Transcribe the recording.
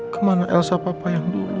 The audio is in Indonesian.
kemana elsa papa yang dulu